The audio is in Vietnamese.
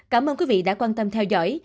cảm ơn quý vị đã quan tâm theo dõi